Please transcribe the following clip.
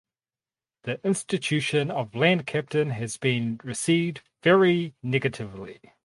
The institution of land captain has been received very negatively.